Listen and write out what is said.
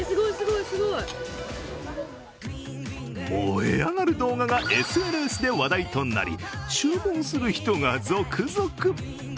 燃え上がる動画がＳＮＳで話題となり注文する人が続々。